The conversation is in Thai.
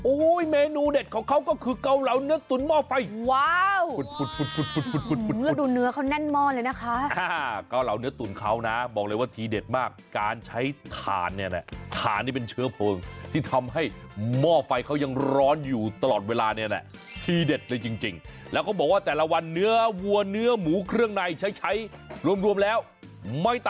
โอ๊ยเมนูเด็ดของเขาก็คือเกาเหลาเนื้อตุ๋นหม้อไฟ